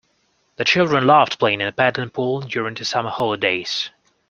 The children loved playing in the paddling pool during the summer holidays